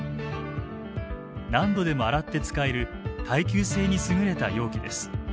何度でも洗って使える耐久性に優れた容器です。